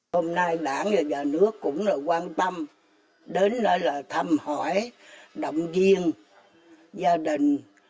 hôm nay đảng và nhà nước cũng quan tâm đến thăm hỏi động viên gia đình